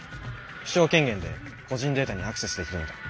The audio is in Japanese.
首長権限で個人データにアクセスできるので。